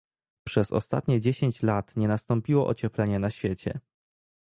Przez ostatnie dziesięć lat nie nastąpiło ocieplenie na świecie